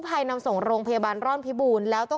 เพราะถูกทำร้ายเหมือนการบาดเจ็บเนื้อตัวมีแผลถลอก